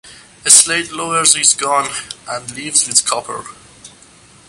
Slade lowers his gun and leaves with Copper.